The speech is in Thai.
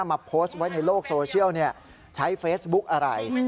มาโพสต์ไว้ในโลกโซเชียลใช้เฟซบุ๊กอะไร